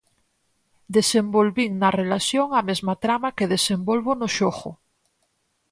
Desenvolvín na relación a mesma trama que desenvolvo no xogo.